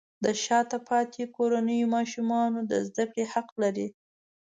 د شاته پاتې کورنیو ماشومان د زده کړې حق لري.